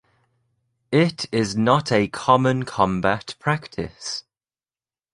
It is not a common combat practice.